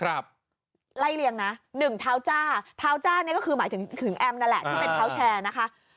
ไล่เลียงนะหนึ่งเท้าจ้าเท้าจ้านี่ก็คือหมายถึงถึงแอมนั่นแหละที่เป็นเท้าแชร์นะคะ